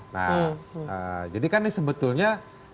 nah jadikan ini sebetulnya